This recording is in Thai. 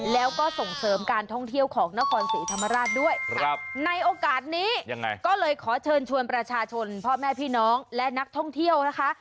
แล้วก็ส่งเสริมการท่องเที่ยวของนครศรีธรรมราชด้วยในโอกาสนี้ยังไงก็เลยขอเชิญชวนประชาชนพ่อแม่พี่น้องและนักท่องเที่ยวนะคะ